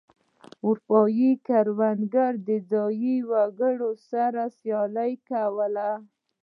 اروپايي کروندګرو د ځايي وګړو سره سیالي کوله.